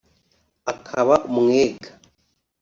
akaba umwega